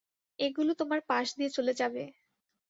এগুলো তোমার পাশ দিয়ে চলে যাবে।